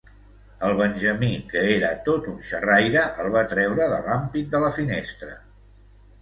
El Benjamí, que era tot un xerraire, el va treure de l'ampit de la finestra.